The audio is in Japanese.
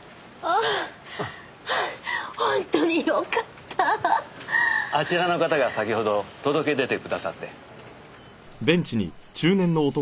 あちらの方が先ほど届け出てくださって。